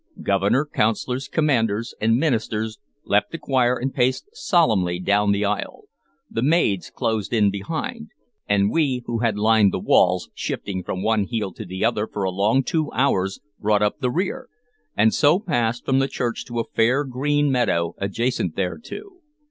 Governor, Councilors, commanders, and ministers left the choir and paced solemnly down the aisle; the maids closed in behind; and we who had lined the walls, shifting from one heel to the other for a long two hours, brought up the rear, and so passed from the church to a fair green meadow adjacent thereto.